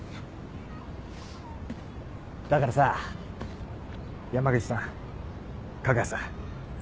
だからさ山口さん加賀谷さん